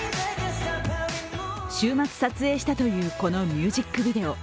週末撮影したというこのミュージックビデオ。